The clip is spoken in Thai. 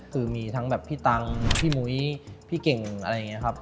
คือมีทั้งแบบพี่ตังค์พี่มุ้ยพี่เก่งอะไรอย่างนี้ครับ